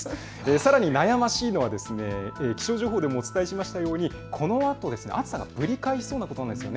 さらに悩ましいのは気象情報でもお伝えしましたようにこのあと暑さがぶり返しそうなことなんです。